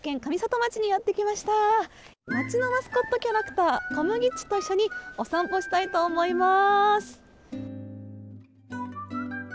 町のマスコットキャラクター「こむぎっち」と一緒にお散歩したいと思います。